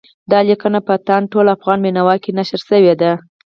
دا لیکنه په تاند، ټول افغان او بېنوا کې نشر شوې ده.